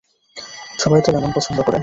সবাই তো লেমন পছন্দ করে।